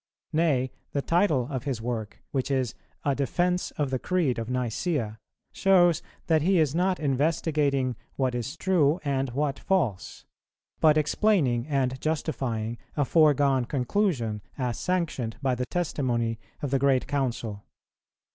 Nay, the title of his work, which is a "Defence of the Creed of Nicæa," shows that he is not investigating what is true and what false, but explaining and justifying a foregone conclusion, as sanctioned by the testimony of the great Council.